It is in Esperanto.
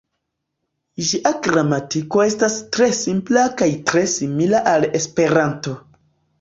Ĝia gramatiko estas tre simpla kaj tre simila al Esperanto.